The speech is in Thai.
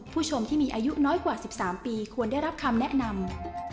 ผู้ชมที่มีอายุน้อยกว่า๑๓ปีควรได้รับคำแนะนำ